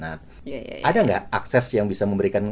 ada gak akses yang bisa memberikan